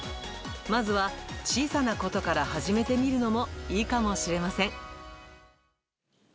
まずは小さなことから始めてみるのもいいかもしれません。